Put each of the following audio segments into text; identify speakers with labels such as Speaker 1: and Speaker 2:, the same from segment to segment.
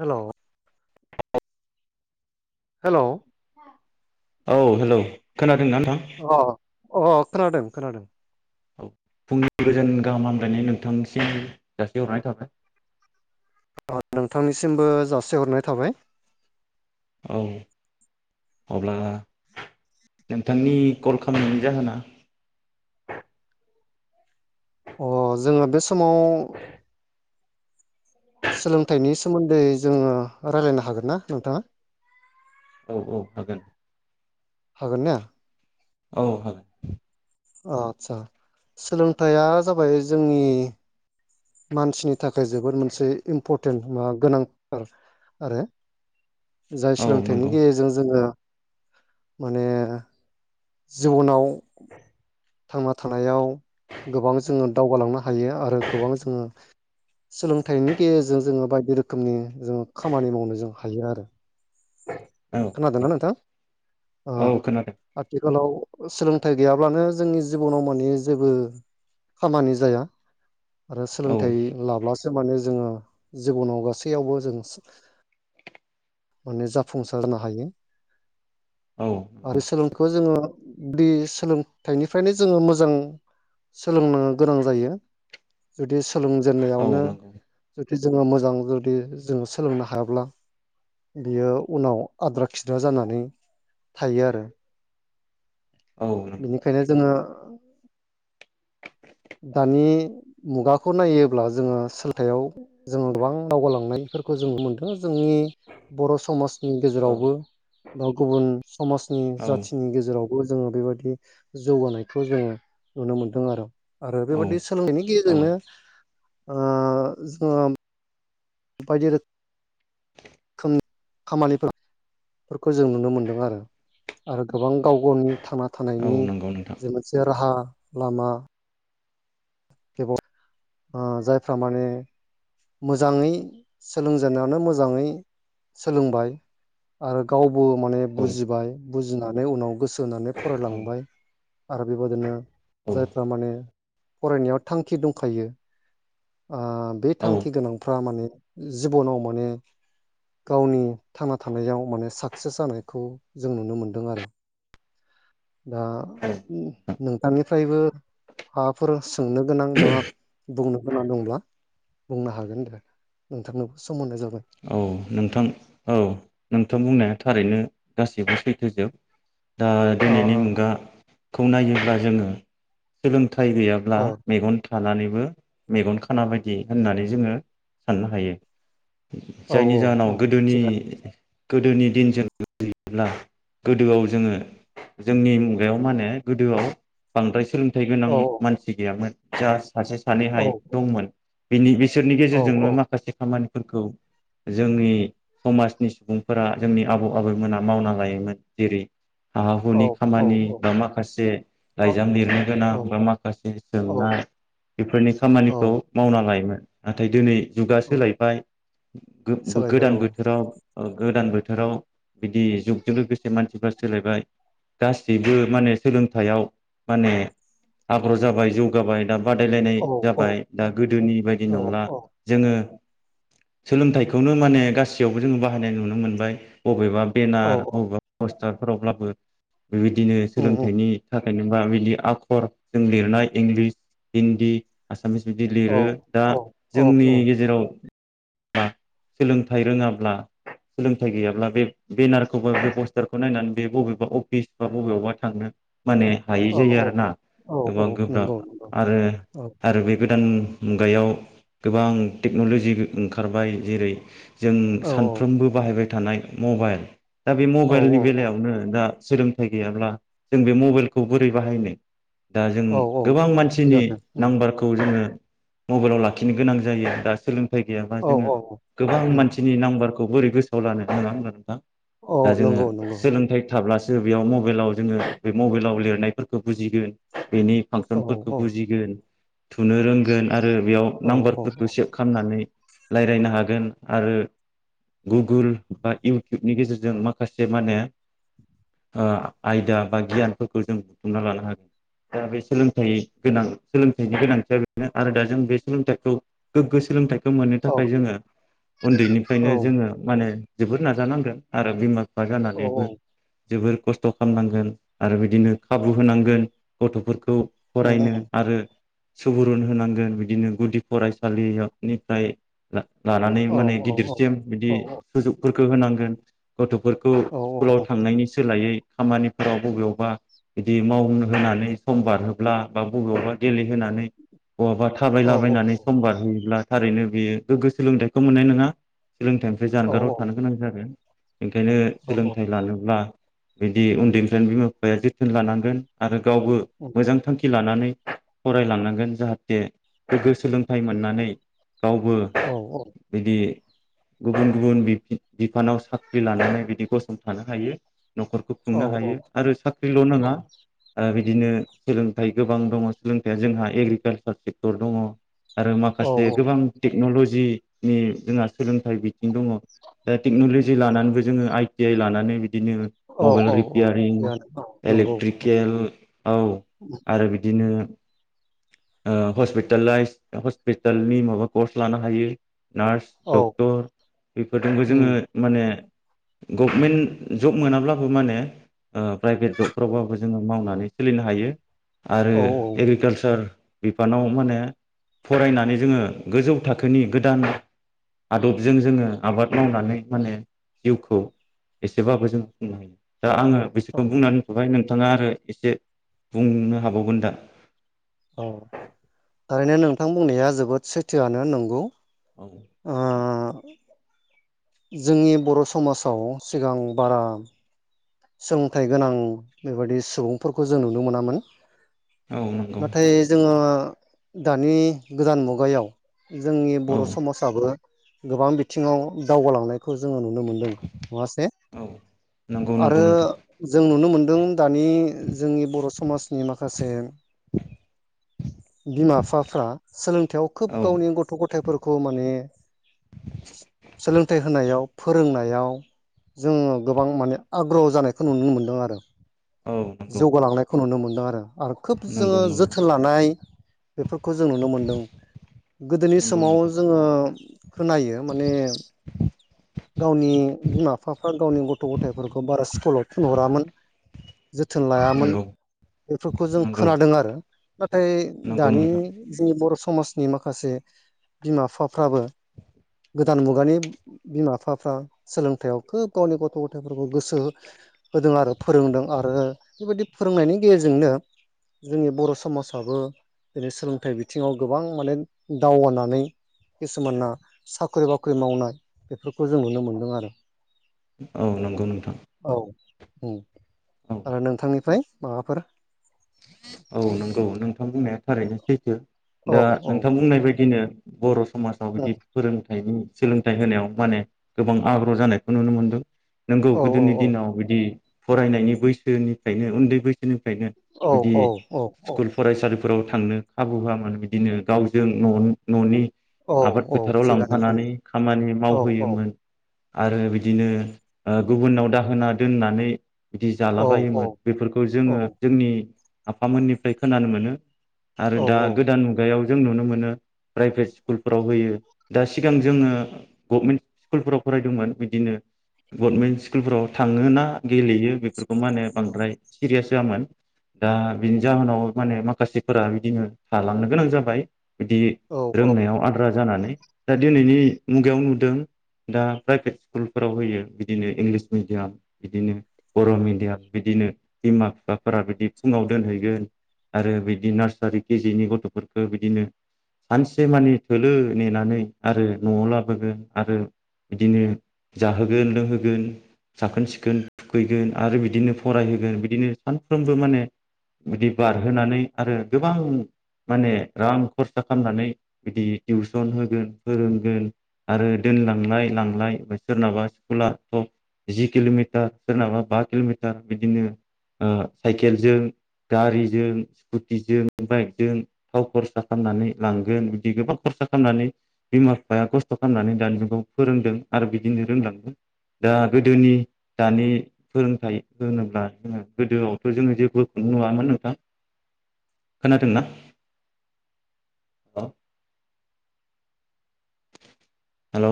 Speaker 1: Hello hello
Speaker 2: औ hello खोनादों ना
Speaker 1: अ अ खोनादों खोनादों
Speaker 2: औ फुंनि गोजोन गाहाम हामलायनाय नोंथांसिम जासिहरनाय थाबाय।
Speaker 1: ओ नोंथांनिसिमबो जासिहरनाय थाबाय।
Speaker 2: औ अब्ला नोंथांनि कल खालामनायनि जाहोना
Speaker 1: अ जोङो बे समाव सोलोंथाइनि सोमोन्दै जोङो रायलायनो हागोन ना नोंथाङा?
Speaker 2: औ औ होगोन।
Speaker 1: हागोन नन
Speaker 2: औ हागोन
Speaker 1: आदसा सोलोंथाइया जाबाय जोंनि मानसिनि थाखाय जोबोद मोनसे इम्परटेन्ट मा गोनांथार आरो। जाय
Speaker 2: औ
Speaker 1: सोलोंथाइनि
Speaker 2: नंगौ
Speaker 1: गेजेरजों जोङो माने जिबनाव थांना थानायाव गोबां जोङो दावगालांनो हायो आरो गोबां जोङो सोलोंथाइनि गेजेरजों जोङो बायदि रोखोमनि जोङो खामानि मावनो जों हायो आरो।
Speaker 2: [inaudible]
Speaker 1: खोनादोंमोन नोंथां अ
Speaker 2: औ खोनादों
Speaker 1: आथिखालाव सोलोंथाइ गैयाब्लानो जोंनि जिबनाव माने जेबो खामानि जाया। आरो
Speaker 2: औ
Speaker 1: सोलोंथाइ लाब्ला सो माने जोङो जिबनाव गासैयावबो जों माने जाफुंसार खालामनो हायो।
Speaker 2: औ
Speaker 1: आरो
Speaker 2: नंगौ
Speaker 1: सोलोंखौ जोङो बे सोलोंथाइनिफ्रायनो जोङो मोजां सोलोंनो गोनां जायो जुदि
Speaker 2: औ
Speaker 1: सोलोंजेननायावनो
Speaker 2: नंगौ
Speaker 1: जोङो मोजां जुदि जोङो सोलोंनो हायाब्ला बियो उनाव आद्रा खिद्रा जानानै थायो आरो
Speaker 2: औ नंगौ
Speaker 1: बेनिखायनो जोङो औ दानि मुगाखौ नायोब्ला जोङो सोलथायाव जोङो गोबां दावगालांनायफोरखौ जोङो मोनदों जोंनि बर' समाजनि
Speaker 2: औ
Speaker 1: गेजेरावबो बा गुबुन समाजनि
Speaker 2: औ
Speaker 1: जाथिनि गेजेराव बो जोङो बेबायाददि जौगानायखौ जोङो नुनो मोनदों आरो आरो
Speaker 2: औ
Speaker 1: बेबादि सोलोंनायनि
Speaker 2: औ
Speaker 1: गेजेरजोंनो ओ [unintelligible] [unintelligible] खामानिफोर खौ जों नुनो मोनदों आरो आरो गोबां गाव गावनि थांना
Speaker 2: औ
Speaker 1: थानायनि
Speaker 2: नंगौ नोंथां
Speaker 1: जे मोनसे राहा लामा [unintelligible] ओ जायफ्रा माने मोजाङै सोलोंजेननायावनो मोजाङै सोलोंबाय आरो गाव बो माने
Speaker 2: औ
Speaker 1: बुजिबाय बुजिनानै उनाव गोसो होनानै
Speaker 2: औ
Speaker 1: फरायलांबाय आरो बेबादिनो
Speaker 2: औ
Speaker 1: जायफ्रा माने फरायनायाव थांखि दंखायो
Speaker 2: औ
Speaker 1: थांखि गोनांफ्रा माने जिबनाव माने गावनि थांना थानायाव माने साक्सेस जानायखौ जों नुनो मोनदों आरो दा नोंथांनिफ्रायबो हाफोर सोंनो गोनां बा बुंनो गोनां दंब्ला बुंनो हागोन दे नोंथांनोबो सम होनाय जाबाय
Speaker 2: औ नोंथां औ नोंथां बुंनाया थारैनो गासैबो सैथोजोब दा
Speaker 1: अ
Speaker 2: दिनैनि
Speaker 1: अ
Speaker 2: मुगा खौ नायोब्ला जोङो सोलों थाय गैयाब्ला
Speaker 1: अ
Speaker 2: मेगन थानानैबो मेगन खाना बायदि होननानै जोङो साननो हायो।
Speaker 1: औ
Speaker 2: जायनि जाहोनाव
Speaker 1: औ
Speaker 2: गोदोनि
Speaker 1: थिगानो
Speaker 2: गोदोनि दिन जों [unintelligible] गोदोआव जोङो जोंनि मुगायाव माने गोदोआव बांद्राय सोलों फिथाइ
Speaker 1: औ
Speaker 2: गोनां मानसि गैयामोन जास सासे
Speaker 1: औ
Speaker 2: सानैहाय दंमोन बिनि बिसोरनि
Speaker 1: औ औ
Speaker 2: गेजेरजोंनो माखासे खामानि फोरखौ जोंनि समाजनि सुबुंफोरा जोंनि आबौ आबैमोना मावना लायोमोन जेरै हा हुनि
Speaker 1: औ
Speaker 2: खामानि बा माखासे
Speaker 1: औ
Speaker 2: लाइजाम लिरनो गोनां बा
Speaker 1: औ
Speaker 2: माखासे
Speaker 1: औ
Speaker 2: सोंनाय बेफोरनि खामानिखौ
Speaker 1: औ
Speaker 2: मावना लायोमोन नाथाय दिनै जुगा
Speaker 1: औ
Speaker 2: सोलायबाय
Speaker 1: सोलायबाय
Speaker 2: गोदान
Speaker 1: औ
Speaker 2: बोथोराव गोदान बोथोराव बिदि जुगजों लोगोसे मानसिफ्रा सोलायबाय गासैबो माने सोलोंथाइयाव माने आग्रह जाबाय जौगाबाय दा बादायलायनाय
Speaker 1: औ औ
Speaker 2: जाबाय दा गोदोनि बायदि
Speaker 1: औ
Speaker 2: नंला जोङो सोलोंथाइखौनो माने गासैयावबो जोङो बाहायनाय नुनो मोनबाय बबेबा
Speaker 1: औ
Speaker 2: बेेनार बबेबा बाजारफोरावब्लाबो बेबायदिनो
Speaker 1: उम उम
Speaker 2: सोलोंथाइनि थाखाय नङाबा बिदि आखरजों लिरनाय इंलिस हिन्दी आसामिस बिदि
Speaker 1: औ
Speaker 2: लिरो दा
Speaker 1: औ औ
Speaker 2: जोंनि गेजेराव सोलोंथाइ रोङाब्ला सोलोंथाइ गैयाब्ला बे बेनारखौ बा बे पस्टारखौ नायनानै बे बबेबा अफिस बा बबेयावबा थांनो माने हायै
Speaker 1: औ
Speaker 2: जायो आरोना
Speaker 1: औ औ
Speaker 2: गोबां
Speaker 1: नंगौ
Speaker 2: गोब्राब
Speaker 1: नंगौ
Speaker 2: आरो
Speaker 1: औ
Speaker 2: आरो बे गोदान मुगायाव गोबां टेक्न'ल'जि ओंखारबाय जेरै जों
Speaker 1: औ
Speaker 2: सानफ्रोमबो बाहायबाय थानाय मबाइल दा बे
Speaker 1: औ
Speaker 2: मबाइलनि बेलायावनो दा सोलोंथाइ गैयाब्ला जों बे मबाइलखौ बोरै बाहायनो दा जों
Speaker 1: औ औ
Speaker 2: गोबां
Speaker 1: औ
Speaker 2: मानसिनि
Speaker 1: थिगानो उम
Speaker 2: नाम्बारखौ जोङो मबाइलाव लाखिनो गोनां जायो दा सोलों उफाय गैयाबा
Speaker 1: औ
Speaker 2: जोङो
Speaker 1: औ
Speaker 2: गोबां
Speaker 1: उम
Speaker 2: मानसिनि नाम्बार बोरै गोसोआव लानो नाङा होना नोंथां
Speaker 1: औ
Speaker 2: दा जोङो
Speaker 1: नंगौ नंगौ
Speaker 2: सोलोंथाइ थाब्लासो बेयाव मबाइलाव जोङो बे मबाइलाव लिरनायफोरखौ बुजिगोन बेनि
Speaker 1: औ
Speaker 2: फांसनफोरखौ बुजिगोन थुनो रोंगोन आरो बेयाव
Speaker 1: औ औ
Speaker 2: नाम्बारफोरखौ सेभ खालामनानै रायज्लायनो हागोन आरो गुगोल बा इउटुबनि गेजेरजों माखासे माने अ आयदा बा गियानफोरखौ जों बुथुमना लानो हागोन दा बे सोलोंथाइ गोनां सोलोंथाइनि गोनांथिया बेनो आरो दा जों बे सोलोंथाइखौ गोग्गो सोलोंथाइ मोननो
Speaker 1: औ
Speaker 2: थाखाय जोङो उन्दैनिफ्रायनो
Speaker 1: औ
Speaker 2: जोङो मानो जोबोर नाजानांगोन आरो बिमा माबा जानानैबो जोबोर खस्थ' खालामनांगोन आरो बिदिनो खाबु होनांगोन गथ'फोरखौ
Speaker 1: उम उम
Speaker 2: फरायनो आरो सुबुरुन होनांगोन बिदिनो गुदि फरायसालियाव निफ्राय लानानै
Speaker 1: औ
Speaker 2: माने
Speaker 1: औ
Speaker 2: गिदिरसिम बिदि सुजुग फोरखो होनांगोन गथ' फोरखौ स्कुलाव
Speaker 1: औ
Speaker 2: थांनायनि सोलायै। खामानिफोराव बबेयावबा बिदि मावनो होनानै समबार होब्ला बा बबेयावबा देलि होनानै बहाबा
Speaker 1: औ
Speaker 2: थाबायलाबायनानै
Speaker 1: औ
Speaker 2: समबारहोयोब्ला थारैनो बेयो गोग्गो सोलोंथाइखौ मोननाय नङा। सोलोंथाइनिफ्राय
Speaker 1: औ
Speaker 2: जानगाराव थानो गोनां जागोन। ओंखायनो
Speaker 1: औ
Speaker 2: सोलोंथाइ लानोब्ला बिदि उन्दैनिफ्रायनो बिमा बिफाया जोथोन लानांगोन आरो गावबो मोजां थांखि लानानै फरायलांनांगोन जाहाथे गोग्गो सोलोंथाइ मोननानै गावबो
Speaker 1: औ
Speaker 2: बिदि गुबुन गुबुन बिफानाव साख्रि लानानै बिदि गसंथानो हायो। न'खरखौ
Speaker 1: औ
Speaker 2: खुंनो हायो आरो साख्रिल' नङा बिदि बिदिनो सोलोंथाइ गोबां दङ सोलोंथाइया जोंहा एग्रिकालसार सेक्टर दङ आरो
Speaker 1: औ
Speaker 2: माखासे गोबां तेक टेक्न'लजिनि जोंहा सोलोंथाइ बिथिं दङ दा टेक्न'लजि लानानैबो जोङो आइ टि आइ लानानै बिदिनो
Speaker 1: औ
Speaker 2: मबाइल
Speaker 1: औ औ
Speaker 2: रिपियारिं
Speaker 1: थिगानो औ नंगौ
Speaker 2: इलेक्ट्रिकेल औ आरो बिदिनो अ हस्पितलाइस हस्पिटालनि माबा कर्स लानो हायो। नार्स
Speaker 1: औ
Speaker 2: डक्टर बेफोरजोंबो जोङो
Speaker 1: उम
Speaker 2: माने गभमेन्ट जब मोनाब्लाबो मानो प्राइभेट जबफोरावबाबो जोङो मावनानै सोलिनो हायो आरो
Speaker 1: औ
Speaker 2: एग्रिकालसार बिफानाव माने फरायनानै जोङो गोजौ थाखोनि गोदान आदबजों जोङो आबाद मावनानै माने जिउखौ एसेबाबो जों खुंनो हायो। दा आङो बिसोरखौ
Speaker 1: औ
Speaker 2: बुंनानै हरबाय नों नोंथाङा आरो एसे बुंनो हाबावगोन दा?
Speaker 1: औ ओरैनो नोंथां बुंनाया जोबोद सैथोआनो नंगौ।
Speaker 2: औ
Speaker 1: ओ [unintelligible] जोंनि बर' समाजाव सिगां बारा सोंथाइ गोनां बेबायदि सुबुंफोरखौ जों नुनो मोनामोन
Speaker 2: औ नंगौ
Speaker 1: नाथाय जोङो दानि गोदान मुगायाव जोंनि
Speaker 2: औ
Speaker 1: बर' समाजाबो गोबां बिथिङाव दावगालांनायखौ जोङो नुनो मोनदों नङासे!
Speaker 2: औ नंगौ नंगौ
Speaker 1: आरो
Speaker 2: नोंथां
Speaker 1: जों नुनो मोन दों दानि जोंनि बर' समाजनि माखासे बिमा फिफाफ्रा सोलोंथायाव खोब
Speaker 2: औ
Speaker 1: गावनि गथ' गथायाइफोरखौ माने सोलोंथाइ होनायाव फोरोंनायाव जोङो गोबां माने आग्रह जानायखौ नुनो मोनदों आरो।
Speaker 2: औ नंगौ
Speaker 1: जौगालांनायखौ नुनो मोन दों आरो आरो खोब
Speaker 2: नंगौ
Speaker 1: जोङो
Speaker 2: नंगौ
Speaker 1: जोथोन लानाय बेथ' खौ जों नुनो मोनदों। गोदोनि
Speaker 2: नंगौ
Speaker 1: समाव
Speaker 2: नोंथां
Speaker 1: जोङो खोनायो माने गावनि बिमा फिफाफ्रा गावनि गथ' गथायाइफोरखौ बारा स्कुलाव थिनहरामोन जोथोन लायामोन।
Speaker 2: नंगौ
Speaker 1: बेफोरखौ जों
Speaker 2: नंगौ
Speaker 1: खोनादों आरो नाथाय
Speaker 2: नंगौ
Speaker 1: दानि
Speaker 2: नोंथां
Speaker 1: जोंनि बर' समाजनि माखासे बिमा फिफाफ्राबो गोदान मुगानि बिमा फिफाफ्रा सोलोंथायाइयाव खोब गावनि गथ' गथायफोरखौ गोसो होदों आरो फोरोंदों आरो बेबायदि फोरोंनायनि गेजेरजोंनो जोंनि बर' समाजाबो दिनै सोलोंथाइ बिथिङाव गोबां माने दावगानानै खिसुमाना साख्रि बाख्रि मावनाय बेफोरखौ जों नुनो मोनदों आरो।
Speaker 2: औ नंगौ नोंथां
Speaker 1: औ
Speaker 2: औ
Speaker 1: आरो नोंथांनिफ्राय माबा फोर
Speaker 2: औ नंगौ नों थां बुंनाया थारैनो सैथो
Speaker 1: औ
Speaker 2: दा
Speaker 1: औ
Speaker 2: नोंथां बुंनाय बायदिनो बर' समाजाव
Speaker 1: औ
Speaker 2: बिदि फोरोंथाइनि सोलोंथाइ होनायाव माने गोबां आग्रह जानायखौ नुनो मोनदों नोंगौ
Speaker 1: औ औ
Speaker 2: गोदोनि दिनाव बिदि फरायनायनि बैसोनिफ्रायनो उन्दै बैसोनिफ्रायनो बिदि
Speaker 1: औ औ औ
Speaker 2: स्कुल फरायसालिफोर फोराव थांनो खाबु होयामोन बिदिनो गावजों न' न'नि
Speaker 1: औ
Speaker 2: आबाद
Speaker 1: औ
Speaker 2: फोथाराव
Speaker 1: थिगानो उम,
Speaker 2: लांफानानै खामानि
Speaker 1: औ औ
Speaker 2: मावहोयोमोन आरो बिदिनो ओ गुबुनाव दाहोना दोननानै बिदि
Speaker 1: औ औ
Speaker 2: जालाबायायोमोन बेफोरखौ
Speaker 1: औ
Speaker 2: जोङो जोंनि आफामोननिफ्राय खोनानो मोनो आरो दा
Speaker 1: औ
Speaker 2: गोदान मुगायाव जों नुनो मोनो प्राइभेट स्कुलफ्राव होयो दा सिगां जोङो गभमेन्ट स्कुलफोराव फरायदोंमोन बिदिनो गरमेन्ट स्कुलफ्राव थाङ ना गेलेयो बेख फोरखौ मा होनो बांद्राय सिरियास होआमोन दा बिनि जाहोनाव माने माखासेफोरा बिदिनो थालांनो गोनां जाबाय बिदि
Speaker 1: औ औ
Speaker 2: रोंनायाव आद्रा जानानै दा दिनैनि मुगायाव नुदों दा प्राइभेट स्कुलफोराव होयो बिदिनो इंलिस मिडियाम बिदिनो बर' मिडियाम बिदिनो बिमा फिफाफोरा बिदि फुङाव दोनहैगोन आरो बिदि नार्सारि केजिनि गथ'फोरखौ बिदिनो सानसे माने थोलो नेनानै आरो न'आव लाबोगोन आरो बिदिनो जाहोगोन लोंहोगोन साखोन सिखोन थुखैगोन आरो बिदिनो फरायहोगोन बिदिनो सानफ्रोमबो माने बिदि बारहोनानै आरो गोबां माने रां खरसा खालामनानै बिदि टिउसन होगोन फोरोंगोन आरो दोनलांलाय लांलाय सोरनाबा स्कुला थब जि किल'मिटार सोरनाबा बा किल'मिटार बिदिनो ओ साइकेलजों गारिजों स्कुटिजों बाइकजों थाव खरसा खालामनानै लांगोन बिदि गोबां खरसा खालामनानै बिमा बिफाया खस्थ' खालामनानै दानि जुगाव फोरोंदों आरो बिदिनो रोंलांदों दा गोदोनि दानि फोरोंथाइ होनोब्ला जोङो गोदोआवथ' जोङो जेबो नुङामोन नोंथाङ खोनादोंना ओ हेल'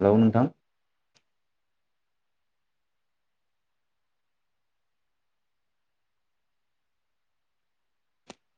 Speaker 2: हेलौ नोंथां?